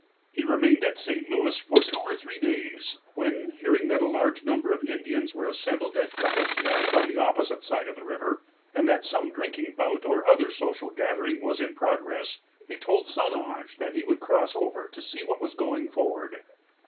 He remained at St. Louis for two or three days, when, hearing that a large number of Indians were assembled at Cahokia, on the opposite side of the river, and that some drinking bout or other social gathering was in progress, he told St. Ange that he would cross over to see what was going forward.